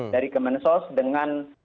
dari ke bansos dengan